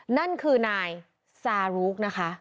นั่นคือนายซารุกนะคะ